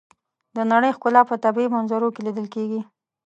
د نړۍ ښکلا په طبیعي منظرو کې لیدل کېږي.